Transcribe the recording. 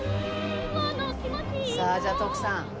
さあじゃあ徳さん。